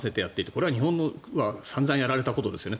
これは日本も散々やられたことですよね。